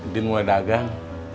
diem mau dagang